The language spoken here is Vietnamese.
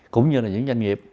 cũng như là những doanh nghiệp